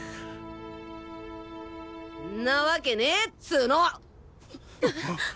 んなわけねぇっつの！